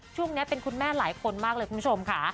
ช่วงนี้เป็นคุณแม่หลายคนมากเลยคุณผู้ชมค่ะ